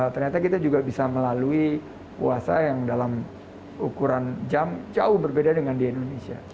ternyata kita juga bisa melalui puasa yang dalam ukuran jam jauh berbeda dengan di indonesia